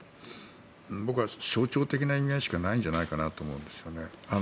僕は象徴的な意味合いしかないんじゃないかと思うんですよね。